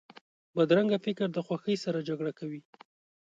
بدرنګه فکر د خوښۍ سره جګړه کوي